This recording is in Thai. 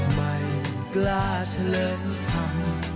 ไม่กล้าเฉลิมใจคิดถึงเธอเรื่อยมา